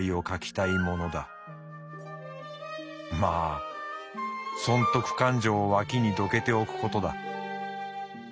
まあ損得勘定を脇にどけておくことだ。